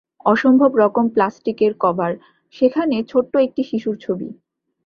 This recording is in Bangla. অসম্ভব নরম প্লাষ্টিকের কভার, যেখানে ছোট্ট একটি শিশুর ছবি।